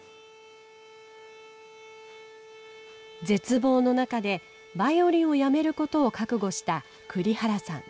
絶望の中でバイオリンをやめることを覚悟した栗原さん。